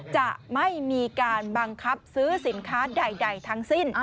จะไม่มีการบังคับซื้อสินค้าใดทั้งสิ้น